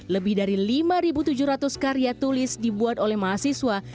lebih dari lima tujuh ratus karya tulis dibuat oleh mahasiswa